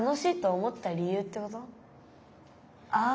ああ！